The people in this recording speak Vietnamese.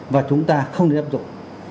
và chúng ta không được áp dụng